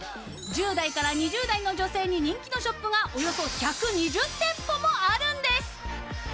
１０代から２０代の女性に人気のショップがおよそ１２０店舗もあるんです。